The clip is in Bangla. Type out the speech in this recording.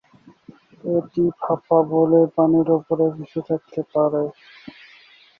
এটি ফাঁপা বলে পানির উপরে ভেসে থাকতে পারে।